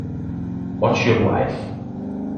Watch Your Wife